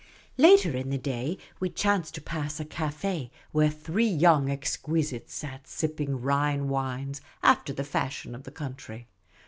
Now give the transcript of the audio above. Later in the day, we chanced to pass a cafi, where three young exquisites sat sipping Rhine wines after the fashion of the country.